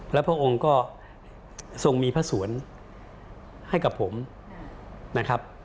แล้วพระองค์ก็ทรงมีพระสวนให้กับผมนะครับ